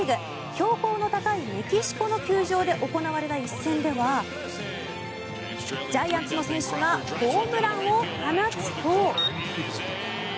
標高の高いメキシコの球場で行われた一戦ではジャイアンツの選手がホームランを放つと。